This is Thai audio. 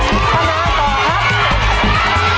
ต่อเร็วครับ